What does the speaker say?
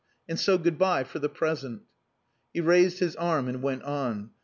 And so good bye for the present." He raised his arm and went on.